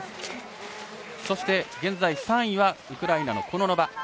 そして、現在３位はウクライナのコノノバ。